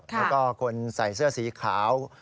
แล้วก็คนใส่เสื้อสีขาว